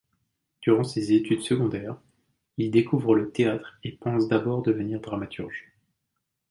Durant ses études secondaires, il découvre le théâtre et pense d'abord devenir dramaturge.